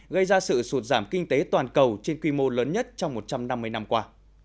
gây ra sự sụt giảm kinh tế toàn cầu trên quy mô lớn nhất trong một trăm năm mươi năm qua